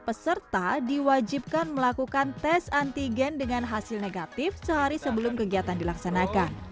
peserta diwajibkan melakukan tes antigen dengan hasil negatif sehari sebelum kegiatan dilaksanakan